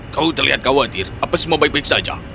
kau terlihat khawatir apa semua baik baik saja